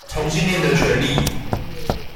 同性戀的權利